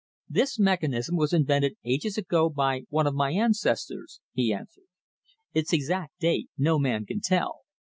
"This mechanism was invented ages ago by one of my ancestors," he answered. "Its exact date no man can tell.